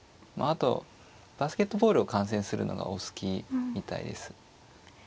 あとバスケットボールを観戦するのがお好きみたいです。